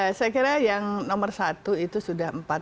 usianya kira kira berapa istilahnya